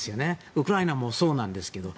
ウクライナもそうなんですけど。